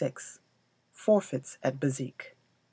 Forfeits at Bezique.